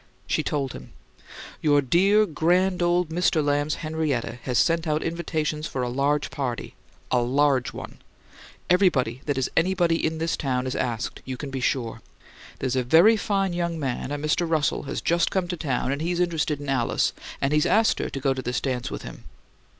She told him. "Your dear, grand, old Mister Lamb's Henrietta has sent out invitations for a large party a LARGE one. Everybody that is anybody in this town is asked, you can be sure. There's a very fine young man, a Mr. Russell, has just come to town, and he's interested in Alice, and he's asked her to go to this dance with him.